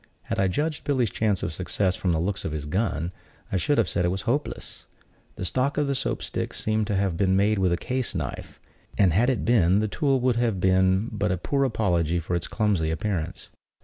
Had I judged Billy's chance of success from the looks of his gun, I should have said it was hopeless. The stock of Soap stick seemed to have been made with a case knife; and had it been, the tool would have been but a poor apology for its clumsy appearance.